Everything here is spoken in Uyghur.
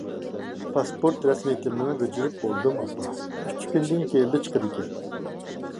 پاسپورت رەسمىيىتىنىمۇ بېجىرىپ بولدۇم ئاپا، ئۈچ كۈندىن كېيىنلا چىقىدىكەن.